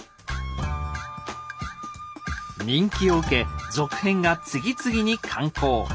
人気を受け続編が次々に刊行。